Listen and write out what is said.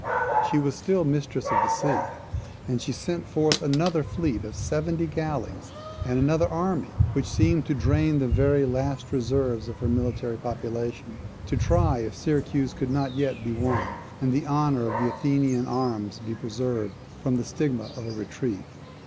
She still was mistress of the sea, and she sent forth another fleet of seventy galleys, and another army, which seemed to drain the very last reserves of her military population, to try if Syracuse could not yet be won, and the honour of the Athenian arms be preserved from the stigma of a retreat.